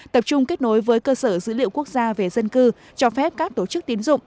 tập trung kết nối với cơ sở dữ liệu quốc gia về dân cư cho phép các tổ chức tín dụng